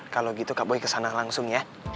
kalau gitu kak boy kesana langsung ya